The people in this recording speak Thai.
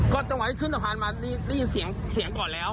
ก็จังหวะที่ขึ้นสะพานมาได้ยินเสียงก่อนแล้ว